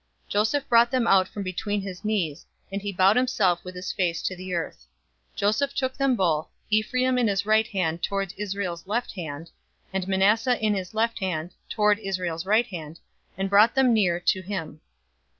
048:012 Joseph brought them out from between his knees, and he bowed himself with his face to the earth. 048:013 Joseph took them both, Ephraim in his right hand toward Israel's left hand, and Manasseh in his left hand toward Israel's right hand, and brought them near to him.